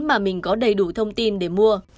mà mình có đầy đủ thông tin để mua